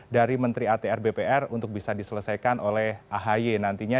dari menteri atr bpr untuk bisa diselesaikan oleh ahy nantinya